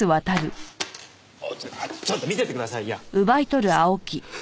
ちょっと見せてくださいよ。